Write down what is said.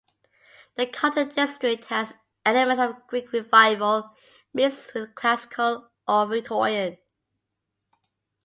The Cotton District has elements of Greek Revival mixed with Classical or Victorian.